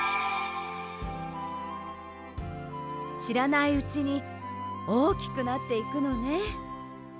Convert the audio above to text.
しらないうちにおおきくなっていくのね。